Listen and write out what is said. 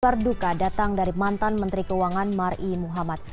perduka datang dari mantan menteri keuangan mar'i muhammad